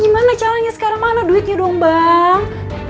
gimana caranya sekarang mana duitnya dong bang